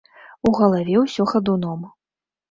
У галаве ўсё хадуном.